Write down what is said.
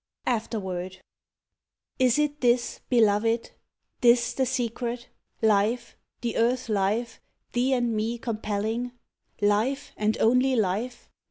24 AFTER WORD Is it this, Beloved, this the secret ? Life, the earth life, thee and me compelling, Life and only life